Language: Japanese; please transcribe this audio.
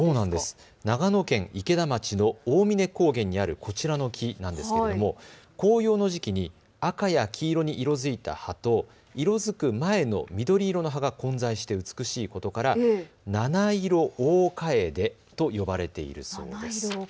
長野県池田町の大峰高原にあるこちらの木なんですけれども紅葉の時期に赤や黄色に色づいた葉と色づく前の緑色の葉が混在し美しいことから七色大カエデと呼ばれているそうです。